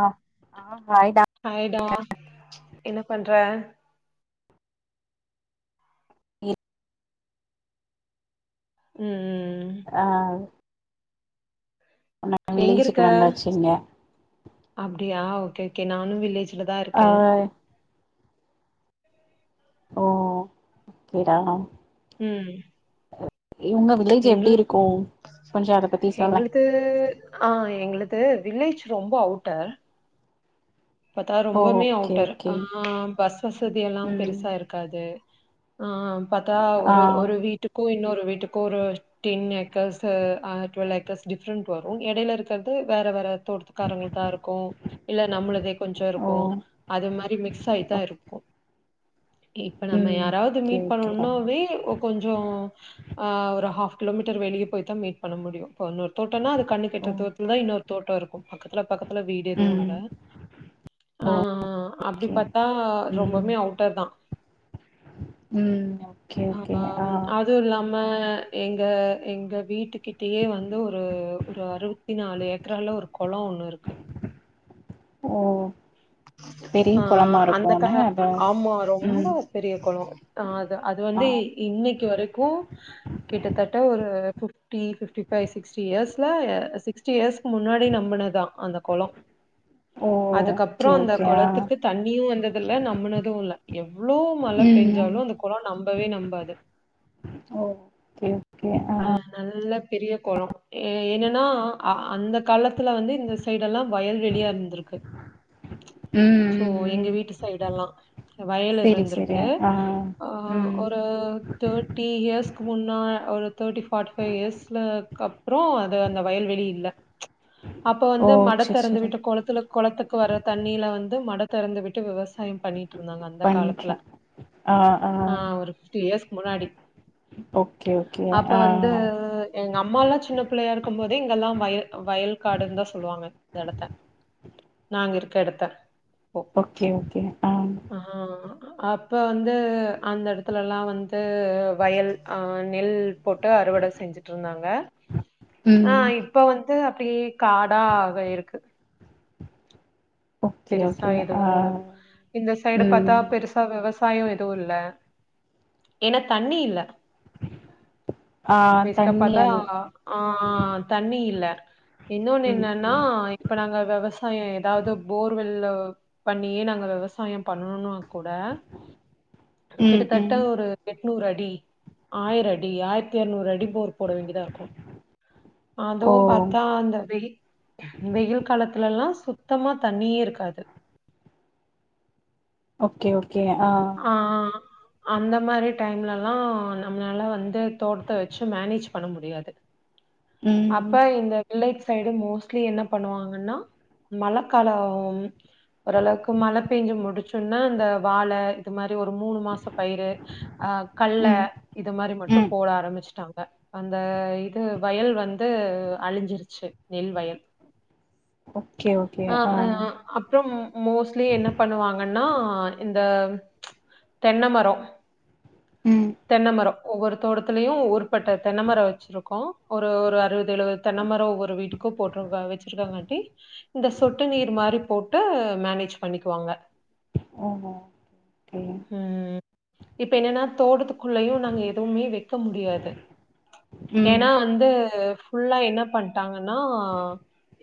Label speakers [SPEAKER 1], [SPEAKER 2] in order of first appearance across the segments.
[SPEAKER 1] ஆ ஆ ஹாய்டா
[SPEAKER 2] டா என்ன பண்ற
[SPEAKER 1] [unintelligible]
[SPEAKER 2] உம் உம்
[SPEAKER 1] ஆஹ் நம்ம
[SPEAKER 2] எங்க
[SPEAKER 1] வில்லேஜுக்கு
[SPEAKER 2] இருக்க
[SPEAKER 1] வந்தாச்சுங்க
[SPEAKER 2] அப்டியா ஓகே ஓகே நானு வில்லேஜ் [unintelligible]
[SPEAKER 1] ஆ
[SPEAKER 2] இருக்கே
[SPEAKER 1] ஓ [unintelligible]
[SPEAKER 2] உம்
[SPEAKER 1] உங்க வில்லேஜ் எப்டி
[SPEAKER 2] எங்களுக்
[SPEAKER 1] இருக்கு கொஞ்சோ அத பத்தி சொல்லே
[SPEAKER 2] எங்களுக்கு ஆஹ் எங்களுக் த்து வில்லேஜ் ரொம்ப அவுட்டர் பாத்தா
[SPEAKER 1] ஓ
[SPEAKER 2] ரொம்பமே
[SPEAKER 1] ஓகே
[SPEAKER 2] அவுட்டர்
[SPEAKER 1] ஓகே
[SPEAKER 2] ஆஹ் பஸ் வசதி எல்லா
[SPEAKER 1] ம்
[SPEAKER 2] பெருசா இருக்காது ஆ பாத்தா
[SPEAKER 1] ஆ
[SPEAKER 2] ஒரு ஒரு வீட்டுக்கு இன்னொரு வீட்டுக்கு ஒரு [unintelligible] க்கர்ஸு ஆ டுவல் ஏக்கர்ஸ் டிஃபெரண்ட் வரு எடையில இருக்குறது வேற வேற தோட்டத்துக்காரங்களுதா இருக்கு இல்ல நம்முளதே கொஞ்சோ
[SPEAKER 1] ஓ
[SPEAKER 2] இருக்கு அது மாரி மிக்ஸ் ஆயித்தா இருக்கு. இப்ப நம்ம
[SPEAKER 1] ம்
[SPEAKER 2] யாராவது
[SPEAKER 1] ஓகே
[SPEAKER 2] மீட்
[SPEAKER 1] ஓகேடா
[SPEAKER 2] பண்ணணும்னாவே ஒ கொஞ்சோ ஆ ஒரு ஹாஃப் கிலோமீட்டர் வெளிய போய்தா மீட் பண்ண முடியு இப்ப இங்கொரு தோட்டோன்னா அது கண்ணுக்கு
[SPEAKER 1] ஓ
[SPEAKER 2] எட்ற தூரத்துலதா இன்னொரு தோட்டோ இருக் பக்கத்துல பக்கத்துல வீடு எதுவு இல்ல
[SPEAKER 1] ம்
[SPEAKER 2] ஆஹ் அப்டி
[SPEAKER 1] ஓகே
[SPEAKER 2] பாத்தா
[SPEAKER 1] ம்
[SPEAKER 2] ரொம்பமே அவுட்டர்தா
[SPEAKER 1] ம் ஓகே ஓகே ஆ
[SPEAKER 2] அம் அதும் இல்லாம அ எங்க எங்க வீட்டுக்கிட்டயே வந்து ஒரு ஒரு அறுபத்துநாலு ஏக்கரால ஒரு கொளோ ஒண்ணு இருக்கு
[SPEAKER 1] ஓ பெரிய குளமா
[SPEAKER 2] ஆஹ் அந்த
[SPEAKER 1] இருக்குனு
[SPEAKER 2] காலத்
[SPEAKER 1] அத
[SPEAKER 2] ஆமா ரொம்ப
[SPEAKER 1] ம்
[SPEAKER 2] பெரிய கொளோ ஆஹ் அது அது
[SPEAKER 1] ஆ
[SPEAKER 2] வந்து இன்னக்கி வரைக்கு கிட்டத்தட்ட ஒரு ஃபிஃப்டி ஃபிஃப்டி ஃபைவ் சிக்ஸ்டி இயர்ஸ்ல சிக்ஸ்டி இயர்ஸ்க்கு முன்னாடி நம்புனதா அந்த கொளோ
[SPEAKER 1] ஓ
[SPEAKER 2] அதுக்கப் அப்றோ
[SPEAKER 1] ஓகே
[SPEAKER 2] அந்த
[SPEAKER 1] ஓகே ஆ
[SPEAKER 2] கொளத்துக்கு தண்ணியு வந்ததில்ல நம்புனதும் இல்ல எவ்ளோ மழ
[SPEAKER 1] ம்
[SPEAKER 2] பேஞ்சாலு அந்த கொளோ நம்பவே நம்பாது
[SPEAKER 1] ஓகே ஓகே ஆ
[SPEAKER 2] ஆஹ் அது நல்ல பெரிய கொளோ எ என்னன்னா அ அந்த காலத்துல வந்து இந்த சைடு இதெல்லா வயல் வெளியா இருந்திருக்கு
[SPEAKER 1] ம்
[SPEAKER 2] சோ
[SPEAKER 1] ம்
[SPEAKER 2] எங்க
[SPEAKER 1] ம்
[SPEAKER 2] வீட்டு சைடு எல்லா வயல்
[SPEAKER 1] செரி செரி
[SPEAKER 2] இருந்திருக்கு
[SPEAKER 1] ஆ
[SPEAKER 2] ஆ
[SPEAKER 1] ம்
[SPEAKER 2] ஒரு தேர்ட்டி இயர்ஸ்க்கு முன்னா ஒரு தேர்டி பார்ட்டி ஃபைவ் இயர்ஸ்லக்கு அப்புறம் அது அந்த வயல்வெளி இல் அப்ப
[SPEAKER 1] ஓ
[SPEAKER 2] வந்து மட
[SPEAKER 1] செரி
[SPEAKER 2] திறந்து
[SPEAKER 1] செரி
[SPEAKER 2] விட்டு குளத்துல குளத்துக்கு வர்ற தண்ணில வந்து மட திறந்து விட்டு விவசா விவசாயம் பண்ணிட்டு இருந்தாங்க அந்த காலத்துல
[SPEAKER 1] பண்றே ஆ ஆ
[SPEAKER 2] ஆஹ ஒரு பிப்டி இயர்ஸ்க் முன்னாடி
[SPEAKER 1] ஓகே ஓகே
[SPEAKER 2] இப்ப
[SPEAKER 1] ஆ
[SPEAKER 2] வந்து எங்க அம்மா எல்லாம் சின்ன பிள்ளையா இருக்கும் போதே இங்கெல்லாம் வயல் வயல் காடுன்னு தான் சொல்லுவாங்க இடத்த நாங்க இருக்க இடத்த இப்போ
[SPEAKER 1] ஓகே ஓகே அஹ
[SPEAKER 2] ஆஹ் அப்ப வந்து அந்த இடத்துல எல்லாம் வந்து வயல் அஹ நெல் போட்டு அறுவடை செஞ்சுட்டு இருந்தாங்க
[SPEAKER 1] ம்
[SPEAKER 2] அஹ இப்ப வந்து அப்டியே காடாவே இருக்கு
[SPEAKER 1] ஓகே
[SPEAKER 2] பெருசா
[SPEAKER 1] ஓகே ஆ
[SPEAKER 2] எதுவும் இந்த சைடு பாத்தா
[SPEAKER 1] ம்
[SPEAKER 2] பெருசா விவசாயம் எதுவும் இல்ல ஏன்னா தண்ணி இல்ல
[SPEAKER 1] ஆ
[SPEAKER 2] பேஸிக்கா
[SPEAKER 1] தண்ணி
[SPEAKER 2] பார்த்தா
[SPEAKER 1] அது
[SPEAKER 2] ஆஹ தண்ணி இல்ல [inaudible] இன்னொன்னு
[SPEAKER 1] ம்
[SPEAKER 2] என்னன்னா
[SPEAKER 1] ம்
[SPEAKER 2] இப்ப நாங்க விவசாயம் ஏதாவது இவ்ளோ பண்ணியே நாங்க விவசாயம் பண்ணணும் கூட
[SPEAKER 1] ம்
[SPEAKER 2] கிட்டத்தட்ட
[SPEAKER 1] ம்
[SPEAKER 2] ஒரு நூறு அடி ஆயிர அடி ஆயிரத்தி அறநூறு அடி போர் போட வேண்டிதா இருக்கும்
[SPEAKER 1] ஓ
[SPEAKER 2] அதுவும் பார்த்தா அந்த வெயில் வெயில் காலத்துல எல்லாம் சுத்தமா தண்ணியே இருக்காது
[SPEAKER 1] ஓகே ஓ கே ஆ
[SPEAKER 2] அந்த மாரி டைம்ல எல்லாம் நம்மளால வந்து தோட்டம் வச்சு மேனேஜ் பண்ண முடியாது
[SPEAKER 1] ம்
[SPEAKER 2] அப்ப இந்த வில்லேஜ் சைடு மோஸ்ட்லி என்ன பண்ணுவாங்கன்னா மழை காலம் ஓரளவுக்கு மழை பேஞ்சு முடிச்சுனா அந்த வாழ ஒரு மூணு மாச பயிரு ஆஹ கல்ல
[SPEAKER 1] ம்
[SPEAKER 2] இது மாரி மட்டும்
[SPEAKER 1] ம்
[SPEAKER 2] போட ஆரம்பிச்சுட்டாங்க அந்த இது வயல் வந்து அழிஞ்சிருச்சு நெல் வயல்
[SPEAKER 1] ஓகே ஓகே
[SPEAKER 2] ஆஹ
[SPEAKER 1] ஆ
[SPEAKER 2] அஹ ஹ அப்புறம் மோஸ்ட்லி என்ன பண்ணுவாங்கன்னா இந் த தென்ன மரம்
[SPEAKER 1] ம்
[SPEAKER 2] தென்னமரம் ஒவ்வொரு தோட்டத்துலயும் ஊற்பட்ட தென்னமரம் வச்சிருக்கோம் ஒரு ஒரு அறுபது எழுவது தென்னமர ஒவ்வொரு வீட்டுக்கு கூப்புறவங்க வச்சிருக்காங்காட்டி இந்த சொட்டு நீர் மாரி போட்டு மேனேஜ் பண்ணிக்குவாங்க
[SPEAKER 1] ஓஹோ
[SPEAKER 2] ம் இப்ப என்னன்னா தோட்டத்துக்குள்ளயும் நாங்க எதுவுமே வைக்க முடியாது
[SPEAKER 1] ம்
[SPEAKER 2] ஏனா வந்து ஃபுல்லா என்ன பண்ணிட்டாங்கன்னா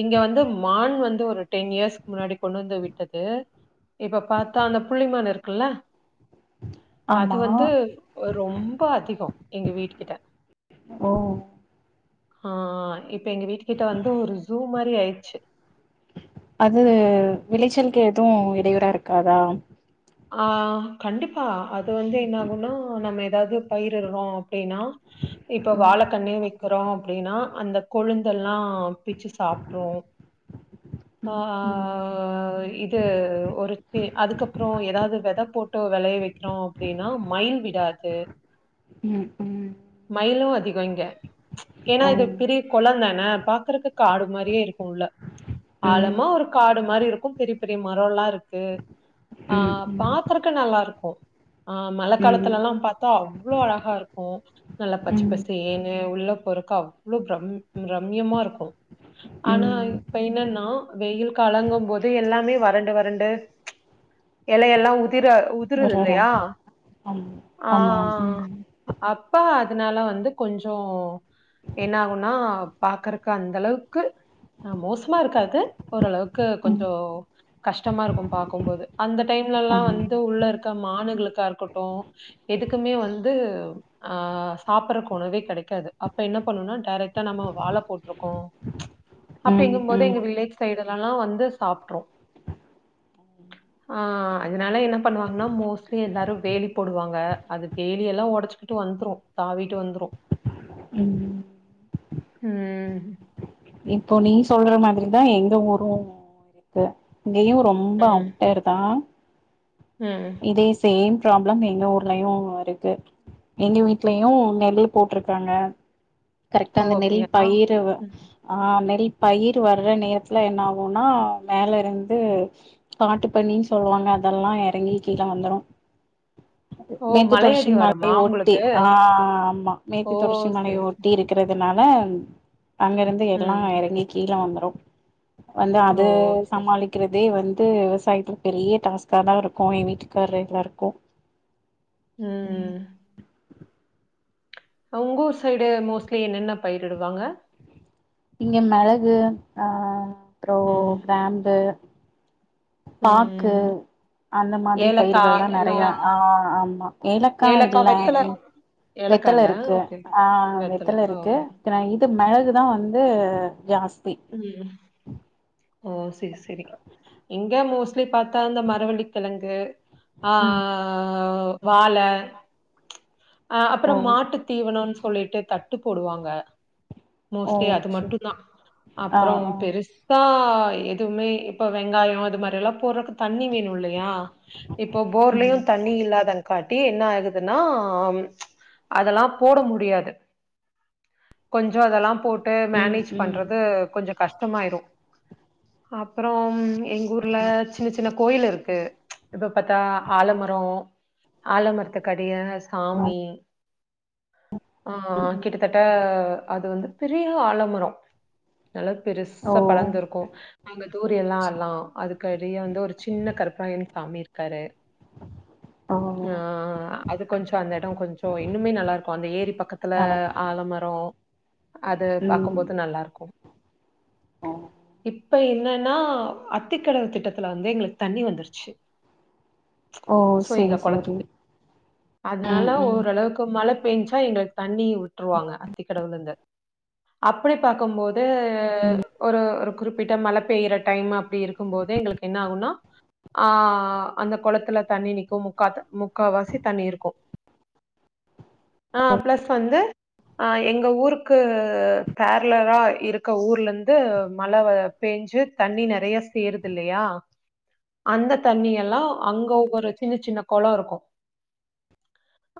[SPEAKER 2] இங்க வந்து மான் வந்து ஒரு டென் இயர்ஸ்க்கு முன்னாடி கொண்டு வந்து விட்டது இப்ப பாத்தா அந்த புள்ளிமானு இருக்கு இருக்குல அது
[SPEAKER 1] ஆமா
[SPEAKER 2] வந்து
[SPEAKER 1] ஆ
[SPEAKER 2] ரொம்ப அதிகோ எங்க வீட்டு கிட்ட
[SPEAKER 1] ஓ
[SPEAKER 2] ஆ இப்ப எங்க வீட்டு கிட்ட வந்து ஒரு ஜூ மாரி ஆயிடுச்சு
[SPEAKER 1] அது விளைச்சல்கெதும் இடையூறா இருக்காதா
[SPEAKER 2] ஆ கண்டிப்பா அது வந்து என்ன ஆகுனா நம்ம ஏதாவது பயிரிடுறோம் அப்டின்னா இப்ப
[SPEAKER 1] ம்
[SPEAKER 2] வாழக்கண்ணே வ வக்கிறோம் அப்டின்னா அந்த கொழுந்தெல்லாம் பிச்சு சாப்ட்ரும்
[SPEAKER 1] ம்
[SPEAKER 2] ஆஹா இது ஒரு அதுக்கப்புறம் அப்றோம் ஏதாவது வெத போட்டு வெளைய வைக்கிறோம் அப்டின்னா மயில் விடாது
[SPEAKER 1] ம் ம்
[SPEAKER 2] கொங்க ச்சீ ஏன்னா
[SPEAKER 1] ஓ
[SPEAKER 2] இது பெரிய கொழந்தானே பாக்குறக்கு காடு மாரியே இருக்கும் உள்ள
[SPEAKER 1] ம்
[SPEAKER 2] ஆழமா ஒரு காடு மாரி இருக்கும் க்கும் பெரிய பெரிய மரல்லாம் இருக்கு
[SPEAKER 1] ம்
[SPEAKER 2] ஆஹ
[SPEAKER 1] ம்
[SPEAKER 2] பாக்கருக்க நல்லா இருக்கும் ஆ
[SPEAKER 1] ம்
[SPEAKER 2] மழக்காலத்துலலாம் பாத்தா அவ்ளோ அழகா இருக்கும் நல்லா பச்ச
[SPEAKER 1] ம்
[SPEAKER 2] பசேன்னு உள்ள போற பாக்க அவ்வளவு பிரம் பிரம்யமா இருக்கும் ஆனா
[SPEAKER 1] ம்
[SPEAKER 2] இப்ப என்னன்னா வெயில் கலங்கும் போது எல்லாமே வறண்டு வறண்டு ச்சி எலையெல்லாம் உதிர உதிருது
[SPEAKER 1] வர்றாரா
[SPEAKER 2] இல்லையா
[SPEAKER 1] ஆம்
[SPEAKER 2] ஆ
[SPEAKER 1] ஆமா ம்
[SPEAKER 2] அப்பா அதனால வந்து கொஞ்சோம் என்ன ஆகுன்னா பாக்குறக்கு அந்த அளவுக்கு மோசமா இருக்காது ஓரளவுக்கு க்கு
[SPEAKER 1] ம்
[SPEAKER 2] கொஞ்சோம் கஷ்டமா இருக்கும் பாக்கும்போது அந்த டைம்லலாம்
[SPEAKER 1] ம்
[SPEAKER 2] வந்து உள்ள இருக்க மானு க்கா இருக்கட்டும் எதுக்குமே வந்து ஆ சாப்பிடறக்கு உணவே கிடைக்காது அப்ப என்ன பண்ணும்னா டேரக்டா நம்ம வாழ போட்டிருக்கோம்
[SPEAKER 1] ம்
[SPEAKER 2] அப்டிங்கும் போது எங்க
[SPEAKER 1] ம்
[SPEAKER 2] வில்லேஜ் சைடு முன்னல்லாம் வந்து சாப்பிட்றும் ஆ அதனால என்ன பண்ணுவாங்கன்னா மோஸ்ட்லி எல்லாரும் வேலி போடுவாங்க அது டெய்லி எல்லாம் உடைச்சுக்கிட்டு வந்துரும் தாவிட்டு வந்துரும்
[SPEAKER 1] ம்
[SPEAKER 2] ம்
[SPEAKER 1] இப்போ நீ சொல்ற மாரிதான் எங்க ஊரும் இருக்கும் இங்கயும் ரொம்ப
[SPEAKER 2] ம்,
[SPEAKER 1] அவுட்டாயிருதான்
[SPEAKER 2] ம்.
[SPEAKER 1] இதே சேம் பராப்ளம் எங்க ஊர்லயும் இருக்கு எங்க வீட்லயும் நெல்லே போட்டிருக்காங்க கரெக்டா
[SPEAKER 2] ஓ!
[SPEAKER 1] அந்த நெல்
[SPEAKER 2] அப்டியா?
[SPEAKER 1] பயிர
[SPEAKER 2] ம்.
[SPEAKER 1] ஆஹ் நெல் பயிரு வர்ற நேரத்துல என்ன ஆகுன்னா மேல இருந்து காட்டு பன்னின்னு சொல்வாங்க அதெல்லா எறங்கி கீழ வந்துரு
[SPEAKER 2] ஓ!
[SPEAKER 1] மேற்கு
[SPEAKER 2] மலை
[SPEAKER 1] தொடர்ச்சி மலை
[SPEAKER 2] அடிவாரமா உங்களுக்கு?
[SPEAKER 1] ஒட்டி ஆ ஆமா
[SPEAKER 2] ஓ!
[SPEAKER 1] மேற்கு தொடர்ச்சி மலை
[SPEAKER 2] சரி, சரி.
[SPEAKER 1] ஒட்டி இருக்கிறதுனால ன்னா அங்க இருந்து எல்லா
[SPEAKER 2] ம்.
[SPEAKER 1] எறங்கி கீழே வந்த அ வந்து
[SPEAKER 2] ஓ!
[SPEAKER 1] அது
[SPEAKER 2] சரி.
[SPEAKER 1] சமாளிக்கிறதே வந் த்து விவசாயத்துல பெரிய டாஸ்க்காதா இருக்கு என் வீட்டுக்கார்ரு எல்லாருக்கு
[SPEAKER 2] உம் உங்க ஊர் சைடு மோஸ்ட்லி என்னென்ன பயிரிடுவாங்க
[SPEAKER 1] இங்க மிளகு ஆ அப்றோ
[SPEAKER 2] ம்.
[SPEAKER 1] கிராம்பு பாக்கு
[SPEAKER 2] ம்.
[SPEAKER 1] அந்த மாதிரி
[SPEAKER 2] ஏலக்கா
[SPEAKER 1] பயிர்கள்லா நெறையா
[SPEAKER 2] இல்லையா?
[SPEAKER 1] ஆஹ் ஆமா ஏலக்கா இல்ல
[SPEAKER 2] ஏலக்கா
[SPEAKER 1] வெத்தல
[SPEAKER 2] இல்ல.
[SPEAKER 1] இருக்கு
[SPEAKER 2] ஓகே, ஓகே.
[SPEAKER 1] ஆஹ் வெத்தல
[SPEAKER 2] ஓ!
[SPEAKER 1] இருக்கு [unintelligible] இது மெள இதுதா வந்து ஜாஸ்
[SPEAKER 2] ம் ஓ செரி செரி எங்க மோஸ்ட்லி பாத்தா இந்தந்த மரவள்ளி கெழங்கு ஆ
[SPEAKER 1] ம்
[SPEAKER 2] ஆ ஆ ஓ வாழ ஆ அப்புறோ
[SPEAKER 1] ஓ
[SPEAKER 2] மாட்டுத் தீவனோன்னு சொ சொல்லிட்டு தட்டு போடுவாங்க
[SPEAKER 1] ஓ
[SPEAKER 2] மோஸ்ட்லி அது
[SPEAKER 1] செரி
[SPEAKER 2] மட்டும் தான்
[SPEAKER 1] ஆ
[SPEAKER 2] அப்பறம்
[SPEAKER 1] ஆ
[SPEAKER 2] பெருசா ஆ எதுவுமே இப்ப வெங்காயோ அது மாரி எல்லா போடுறக்கு தண்ணி மீன் இல்லயா இப்போ
[SPEAKER 1] ம்
[SPEAKER 2] போர்லயும் தண்ணி இல்லாத காட்டி என்ன ஆகுதுன்னா அதுலா போட முடியாது கொஞ்சம் அதெல்லாம் போட்டு ட்டு
[SPEAKER 1] ம்
[SPEAKER 2] மேனேஜ்
[SPEAKER 1] ம்
[SPEAKER 2] பண்றது கொஞ்சோ கஷ்டமாயிரும் அப்பறோ எங்க ஊர்ல சின்னச சின்ன கோயில் இருக்கு இப்ப பாத்தா ஆலமரோ ஆலமரத்துக்கு அடிய
[SPEAKER 1] ஓ
[SPEAKER 2] காமியி
[SPEAKER 1] ம்
[SPEAKER 2] ஆஹ்
[SPEAKER 1] ம்
[SPEAKER 2] கிட்டத்தட்ட அது வந்து பெரிய ஆலமரம் நல்லா
[SPEAKER 1] ஓ
[SPEAKER 2] பெருசா படர்ந்துிருக்கும் அங்க தூரிய எல்லாம் அலாம் அதுக்கு பெரிய வந்து ஒரு சின்ன கருப்பராயன் சாமி இருக்காரு
[SPEAKER 1] ஓ
[SPEAKER 2] ஆஹ் அது கொஞ்சம் அந்த இடம் கொஞ்சம் இன்னுமே நல்லா இருக்கும் அந்த ஏரி பக்கத்துல
[SPEAKER 1] அட
[SPEAKER 2] ஆழமரம் அது
[SPEAKER 1] ம்
[SPEAKER 2] பார்கபோது நல்லா இருக்கும்
[SPEAKER 1] ஓ
[SPEAKER 2] இப்ப இப்ப என்னன்னா அத்திக்கடவு திட்டத்துல வந்து எங்களுக்கு தண்ணி வந்துருச்சு
[SPEAKER 1] ஓ
[SPEAKER 2] சோ எங்க
[SPEAKER 1] சரி சரி
[SPEAKER 2] குளத்துக்கு. அதனால ஓரளவுக்கு மழை பெயஞ்சா எங்களுக்கு தனி தண்ணி விட்டுருவாங்க அத்திக்கடவுல இருந்து அப்படி பார்க்கும் போது
[SPEAKER 1] ம்
[SPEAKER 2] ஒரு குறிப்பிட்ட மழை பெய்கிற டைம் அப்படி இருக்கும் போது எங்களுக்கு என்ன ஆகும்னா ஆஹ் அந்த குளத்துல தண்ணிஇருக்கும் முக்கா முக்கால்வாசி தண்ணி இருக்கும் [unintelligible] ஆஹ் பிளஸ் வந்து அஹ் எங்க ஊருக்கு பேரலரா இருக்க ஊர்ல இருந்து மழை பேஞ்சு தண்ணி நிறைய சேருது இல்லையா அந்த தண்ணி எல்லாம் அங்க ஒவ்வொரு சின்ன சின்ன குளம் இருக்கும்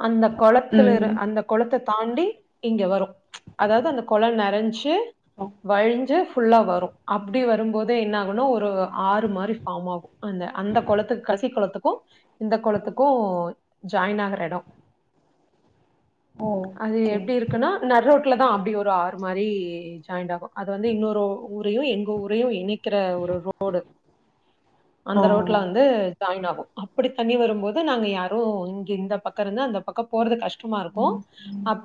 [SPEAKER 2] அந்த குளத்தில்
[SPEAKER 1] ம்
[SPEAKER 2] இருந்து அந்த குளத்தை தாண்டி இங்க வரும் அதாவது அந்த குளம் நரைஞ்சு
[SPEAKER 1] ஓ
[SPEAKER 2] வழிஞ்சு ஃபுல்லா வரும் அப்படி வரும்போதே என்ன ஆகணும் ஒரு ஆறு மாதிரி ஃபார்ம் ஆகும் அந்த அந்த குளத்துக்கு கசியி குளத்துக்கும் இந்த குளத்துக்கும் ஜாயின் ஆகுற இடம்
[SPEAKER 1] ஓ
[SPEAKER 2] அது
[SPEAKER 1] ஓகே
[SPEAKER 2] எப்படி இருக்குன்னா நடுரோட்லதான் அப்படி ஒரு ஆறு மாதிரி ஜாயின் ஆகும் அது வந்து இன்னொரு ஊரையும் எங்க ஊரையும் இணைக்கிற ஒரு ரோடு அந்த
[SPEAKER 1] ஓ
[SPEAKER 2] ரோட்ல வந்து ஜாயின் ஆகும் அப்படி தண்ணி வரும்போது நாங்க யாரும் இங்க இந்த பக்கம் இருந்து அந்த பக்கம் போறது கஷ்டமா இருக்கும் அங்க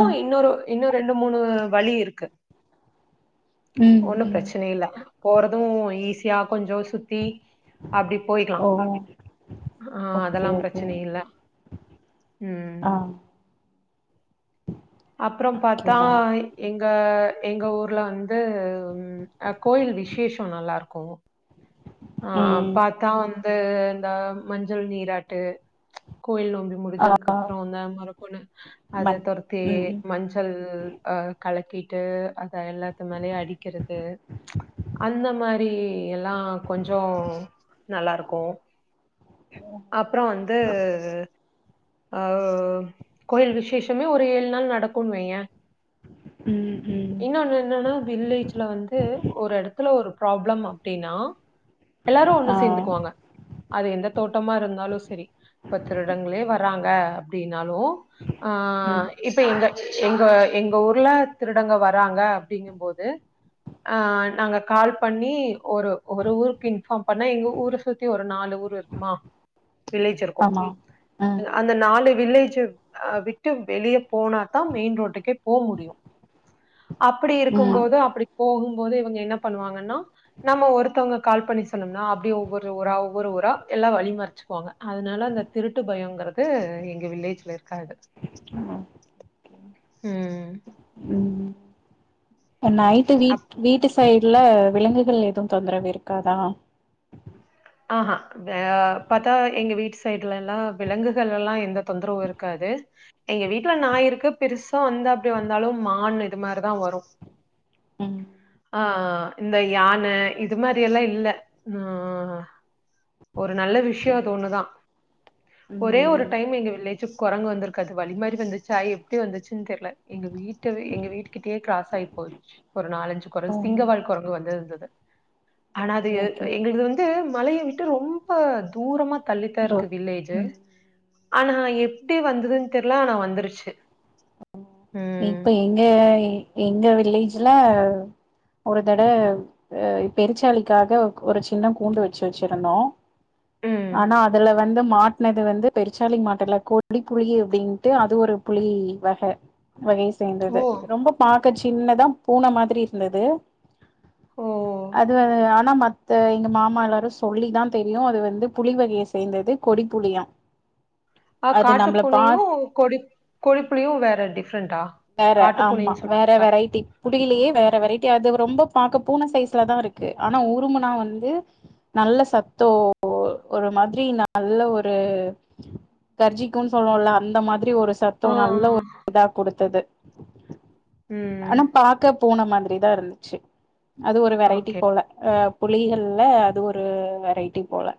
[SPEAKER 1] ஆ
[SPEAKER 2] இன்னொ ரெண்டு மூணு வழி இருக்கு
[SPEAKER 1] ம்
[SPEAKER 2] ஒன்னும்
[SPEAKER 1] ம்
[SPEAKER 2] பிரச்சனை இல்ல போறதும் ஈஸியா கொஞ்சம் சுத்தி அப்படி போயிடும்
[SPEAKER 1] ஓ
[SPEAKER 2] ஆஹ்
[SPEAKER 1] ஓகே
[SPEAKER 2] அதெல்லாம்
[SPEAKER 1] ஓகே
[SPEAKER 2] பிரச்சனை உம்
[SPEAKER 1] ஆ
[SPEAKER 2] அப்புறம் பார்த்தா
[SPEAKER 1] ஓகேடா
[SPEAKER 2] எங்க எங்க ஊர்ல வந்து கோயில் விசேஷம் நல்லா இருக்கும் ஆஹ்
[SPEAKER 1] ம்
[SPEAKER 2] பார்த்தா வந்து இந்த மஞ்சள் நீராட்டு கோயில் நோம்பி
[SPEAKER 1] ஆ
[SPEAKER 2] முடிஞ்சதுக்கு அப்புறம் வந்த மறுப்புண்ணு அதை
[SPEAKER 1] மன்
[SPEAKER 2] துரத்தி
[SPEAKER 1] ம்
[SPEAKER 2] மஞ்சள் அஹ் கலக்கிட்டு அத எல்லாத்து மேலேயே அடிக்கிறது அந்த மாதிரி எல்லாம் கொஞ்சம் நல்லா இருக்கும் அப்புறம் வந்து அஹ் கோயில் விசேஷமே ஒரு ஏழு நாள் நடக்கும்ன்னனு வையங்கன்
[SPEAKER 1] ம் ம் ம்
[SPEAKER 2] இன்னொன்னு என்னன்னா வில்லேஜ்ல வந்து ஒரு இடத்துல ஒரு ப்ராப்ளம் அப்படின்னா [inaudible] எல்லாரு ஒண்ணு
[SPEAKER 1] ஆ
[SPEAKER 2] சேந்துக்குவாங்க அது எந்த தோட்டமா இருந்தாலும் சரி இப்ப திருடங்களே வராங்க அப்படனாலும்ஹ
[SPEAKER 1] ம்
[SPEAKER 2] இப்ப எங்க எங்க எங்க ஊர்ல திருடங்க வராங்க அப்படிங்கபோது ஆஹ நாங்க கால் பண்ணி ஒரு ஒரு ஊருக்கு இன்பார்ம் பண்ண எங்க ஊரை சுத்தி ஒரு நாலு ஊர் இருக்கு [unintelligible] மா விளைஜ இருக்கும்ோம்
[SPEAKER 1] ஆமா ம்
[SPEAKER 2] அந்த நாலு [inaudible] வில்லேஜ் ஹ் விட்டு வெளிய போனாதான் மெயின் ரோட்டுக்கே போக முடியும் அப்படி
[SPEAKER 1] ம்
[SPEAKER 2] இருக்கும்போது அப்படி போகும்போது இவங்க என்ன பண்ணுவாங்கன்னா நம்ம ஒருத்தவங்க கால் பண்ணி சொன்னும்னா அப்படிே ஒவ்வொரு ஊரா ஒவ்வொரு ஊரா [inaudible] எல்லா வழிமறிச்சுக்குவாங்க அதனால அந்த திருட்டு பயங்கறிறது எங்க வில்லேஜ்ல இருக்காது ஹம்
[SPEAKER 1] ம் நைட்டு வீ்
[SPEAKER 2] அப்
[SPEAKER 1] வீட்டு சுத்தி சைடுல விலங்குகள் எதுவு தொந்தரவு இருக்காதா
[SPEAKER 2] ஆஹஹா பத்தா எங்க வீட்டு சைடுல எல்லாம் விலங்குகள் எல்லாம் எந்த தொந்தரவும் இருக்காது எங்க வீட்டுல நஞாயிருக்கு பெருசா வந்து அப்படி வந்தாலும் மான் இது மாதிரிதான் வரும்
[SPEAKER 1] ம்
[SPEAKER 2] அஹ் இந்த யானை இது மாதிரி எல்லாம் இல்ல அஹ் [inaudible] ஒரு நல்ல
[SPEAKER 1] ஓகே
[SPEAKER 2] விஷயம் தோணுதான்
[SPEAKER 1] ம்
[SPEAKER 2] ஒரே ஒரு
[SPEAKER 1] ம்
[SPEAKER 2] டைம் எங்க வில்லேஜு குரங்கு வந்திருக்காது வழி மாதிரி வந்துச்சுய் எப்படி வந்துச்சுன்னு தெரியல எங்க வீட்ட எங்க வீட்டு கிட்டயே கிராஸ் ஆகி போச்சு ஒரு நாலஞ்சு குரங்கு
[SPEAKER 1] ஓகே
[SPEAKER 2] சிங்கவாழ் குரங்கு வந்த இருந்தது [inaudible] ஆனா அது
[SPEAKER 1] ஓகே
[SPEAKER 2] எங்களுக்கு வந்து [inaudible] மலையை விட்டு ரொம்ப தூரமா தள்ளித்தான்
[SPEAKER 1] இதோ
[SPEAKER 2] இருக்கு வில்லேஜு
[SPEAKER 1] ம்
[SPEAKER 2] ஆனா எப்டி வந்ததுன்னு தெரியில ஆனா வந்துருச்சி
[SPEAKER 1] இப்ப எங்க எங்க வில்லேஜ் ல ஒரு தட அஹ பெருச்சாலிக்காக ஒரு சின்னம் கூண்டு வச்சு வச்சிருந்தோம்
[SPEAKER 2] ம்
[SPEAKER 1] [inaudible] ஆனா அதுல வந்துமு மாட்டினது வந்து பெருச்சாாலி மாட்டுல கொடிட் புளிி அப்படின்ட்டு அது ஒரு புளிி வக வகை செய்தேர்ந்தது
[SPEAKER 2] ஓ
[SPEAKER 1] இப் ரொம்ப பாச இப்ப சின்னதா பூன மாதிரி இருந்தது
[SPEAKER 2] ஓ
[SPEAKER 1] அது ஆனா மத் இது எங்க மாமா எல்லாரும் சொல்லிதான் தெரியும் அது வந்து புளி வகையை சேர்ந்தது கொடி புளியாம் புளியான்
[SPEAKER 2] ஆஹ் காட்டு புனையும் கொடி கொடிப்புலியும் வேறடி
[SPEAKER 1] வேற ஆமா வேற வெரைட்டி புளிலயே
[SPEAKER 2] ஓ
[SPEAKER 1] வேற வெரைட்டியானது ரொம்ப ப பூன சைஸ்ல தான் இருக்கு ஆனா உருமுனா வந்து நல்ல சத்தோ ஒரு மாதிரி நல்ல ஒரு கர்ஜிக்கும்ு சொல்ல அந்த மாதிரி [unintelligible] அப்படி ஒரு
[SPEAKER 2] ஆ
[SPEAKER 1] சத்தம் நல்ல ஒரு கொடுத்தது
[SPEAKER 2] ம்
[SPEAKER 1] ஆன பார்க்கப் பூன மாதிரி தான் இருந்துச்சு அது ஒரு வெரைட்டி
[SPEAKER 2] ஓகே
[SPEAKER 1] போல புலிகள்ல அது ஒரு வெரைட்டி போல